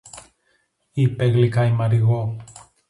είπε γλυκά η Μαριγώ